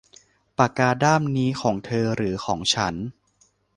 ปากกาด้ามนี้ของเธอหรือของฉัน